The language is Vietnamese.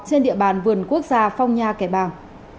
trên địa bàn vườn quốc gia phong nha kẻ bàng